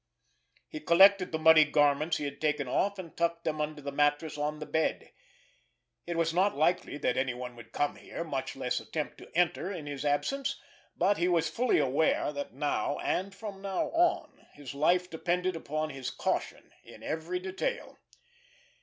He collected the muddy garments he had taken off, and tucked them under the mattress on the bed. It was not likely that anyone would come here, much less attempt to enter, in his absence; but he was fully aware that now, and from now on, his life depended upon his caution in every detail.